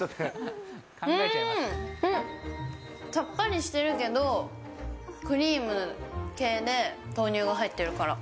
うーん！さっぱりしてるけど、クリーム系で豆乳が入ってるから。